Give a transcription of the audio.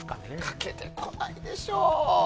かけてこないでしょう。